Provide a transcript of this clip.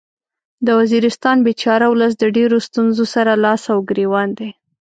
د وزیرستان بیچاره ولس د ډیرو ستونځو سره لاس او ګریوان دی